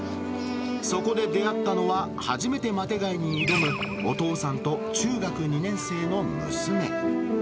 そこで出会ったのは、初めてマテ貝に挑む、お父さんと中学２年生の娘。